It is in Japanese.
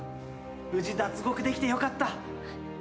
無事脱獄できてよかった。